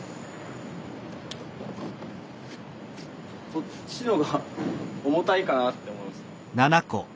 こっちのが重たいかなって思います。